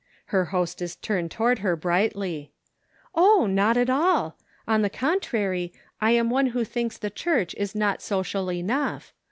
Her hostess turned toward her brightly :" Oh, not at all. On the contrary, I am one who thinks the church is not social enough.